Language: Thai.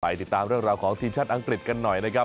ติดตามเรื่องราวของทีมชาติอังกฤษกันหน่อยนะครับ